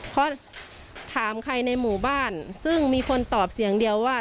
เพราะถามใครในหมู่บ้านซึ่งมีคนตอบเสียงเดียวว่า